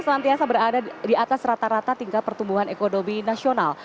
jawa timur selantiasa berada di atas rata rata tingkat pertumbuhan ekonomi nasional